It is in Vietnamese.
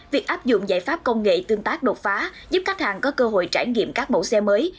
việc áp dụng giải pháp công nghệ tương tác đột phá giúp khách hàng có cơ hội trải nghiệm các mẫu xe mới